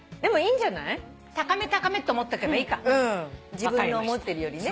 自分の思ってるよりね。